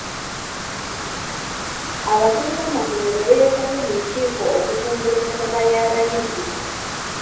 Abakulu b'amasomero beetabye mu lukiiko okutumbula ensoma y'abayizi.